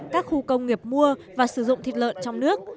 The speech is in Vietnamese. các khu công nghiệp mua và sử dụng thịt lợn trong nước